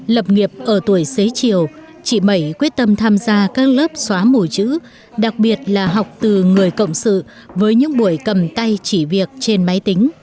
lập nghiệp ở tuổi xế chiều chị mẩy quyết tâm tham gia các lớp xóa mùi chữ đặc biệt là học từ người cộng sự với những buổi cầm tay chỉ việc trên máy tính